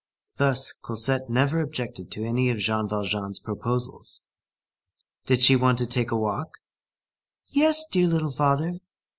Thus, Cosette never objected to any of Jean Valjean's proposals. Did she want to take a walk? "Yes, dear little father."